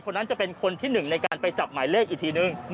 นั้นจะเป็นคนที่หนึ่งในการไปจับหมายเลขอีกทีนึง